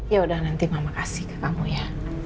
yaudah nanti mama kasih ke kamu ya